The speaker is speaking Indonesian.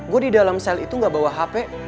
gue di dalam sel itu gak bawa hp